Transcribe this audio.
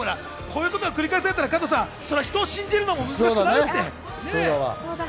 こういうことが繰り返されたら人を信じることも難しくなるって。